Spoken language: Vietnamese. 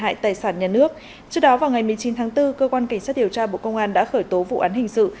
hại tài sản nhà nước trước đó vào ngày một mươi chín tháng bốn cơ quan cảnh sát điều tra bộ công an đã khởi tố vụ